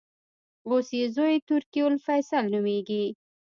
اوس یې زوې ترکي الفیصل نومېږي.